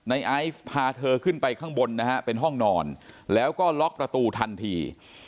ไอซ์พาเธอขึ้นไปข้างบนนะฮะเป็นห้องนอนแล้วก็ล็อกประตูทันที